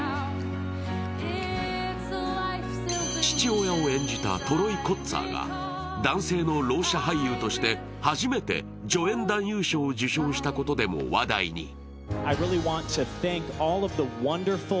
父親を演じたトロイ・コッツァーが男性のろう者俳優として初めて助演男優賞を受賞したことでも話題に。